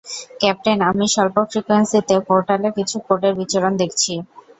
Captain, আমি স্বল্প ফ্রিকোয়েন্সিতে পোর্টালে কিছু কোডের বিচরণ দেখছি!